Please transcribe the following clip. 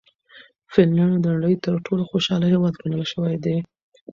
فنلنډ د نړۍ تر ټولو خوشحاله هېواد ګڼل شوی دی.